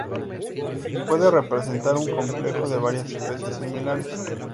Puede representar un complejo de varias especies similares.